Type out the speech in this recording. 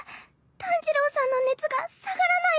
炭治郎さんの熱が下がらないこと。